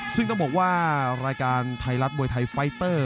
ซึ่งต้องบอกว่ารายการไทยรัฐมวยไทยไฟเตอร์